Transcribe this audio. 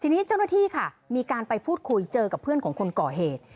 ทีนี้เจ้าหน้าที่ค่ะมีการไปพูดคุยเจอกับเพื่อนของคนก่อเหตุ